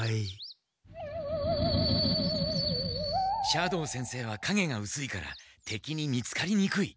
斜堂先生はかげが薄いから敵に見つかりにくい。